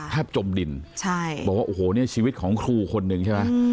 แทบจมดินบอกว่าโอ้โหโหนี้ชีวิตของครูคนหนึ่งใช่ไหม